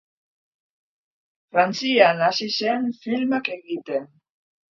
Frantzian hasi zen filmak egiten.